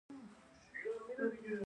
د کرنیزو ماشینریو ترمیم شته